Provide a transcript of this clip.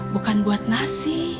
bukan buat nasi